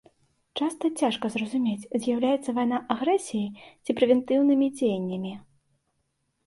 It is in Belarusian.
Часта цяжка зразумець, з'яўляецца вайна агрэсіяй ці прэвентыўнымі дзеяннямі.